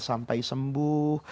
kamu bantu dia sembuh